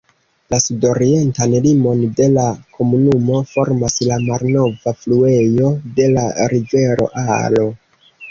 La sudorientan limon de la komunumo formas la malnova fluejo de la rivero Aro.